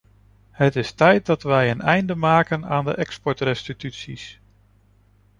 Het is tijd dat we een einde maken aan de exportrestituties.